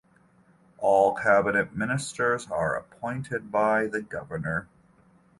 All cabinet ministers are appointed by the Governor.